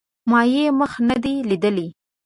ما یې مخ نه دی لیدلی